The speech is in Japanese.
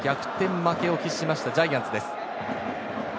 負けを喫しましたジャイアンツです。